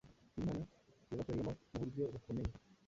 Imana yabakoreyemo mu buryo bukomeye.